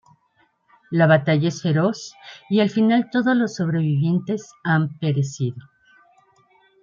La batalla es feroz, y al final todos los sobrevivientes han perecido.